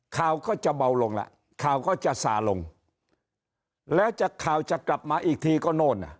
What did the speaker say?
ข่าวก็จะเบาลงแล้วข่าวก็จะสาลงแล้วข่าวจะกลับมาอีกทีก็โน่นอ่ะ